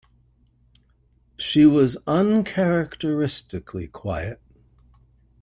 She was uncharacteristically quiet.